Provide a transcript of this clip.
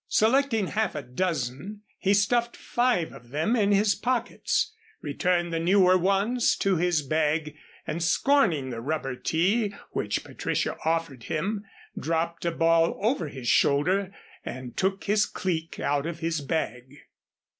Selecting half a dozen, he stuffed five of them in his pockets, returned the newer ones to his bag and scorning the rubber tee which Patricia offered him, dropped a ball over his shoulder and took his cleek out of his bag.